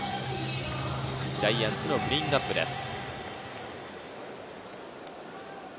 ジャイアンツのクリーンナップです。